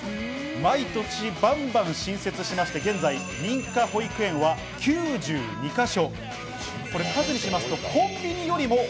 毎年バンバン新設しまして現在、認可保育園は９２か所。